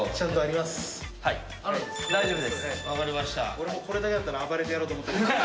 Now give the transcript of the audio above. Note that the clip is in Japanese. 俺もこれだけだったら暴れてやろうと思ってたけど。